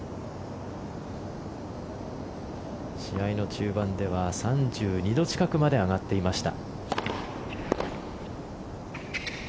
試合の中盤では３２度近くまで上がっていました。